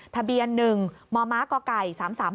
ทะเบียน๑มมกไก่๓๓๕